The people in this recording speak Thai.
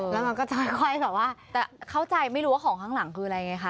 แล้วมันก็จะค่อยแบบว่าแต่เข้าใจไม่รู้ว่าของข้างหลังคืออะไรไงคะ